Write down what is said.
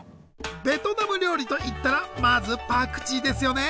ベトナム料理といったらまずパクチーですよね。